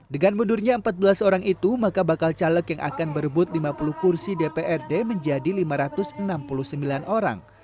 dengan mundurnya empat belas orang itu maka bakal caleg yang akan berebut lima puluh kursi dprd menjadi lima ratus enam puluh sembilan orang